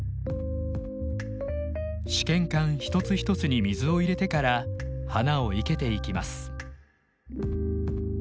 試験管一つ一つに水を入れてから花を生けていきます。